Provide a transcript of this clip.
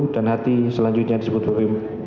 dan hati selanjutnya disebut bb enam